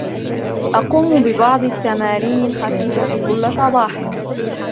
أقوم ببعض التمارين الخفيفة كل صباح.